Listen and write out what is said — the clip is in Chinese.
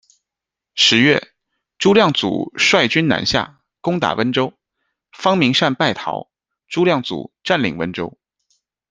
十月，朱亮祖率军南下，攻打温州，方明善败逃，朱亮祖占领温州。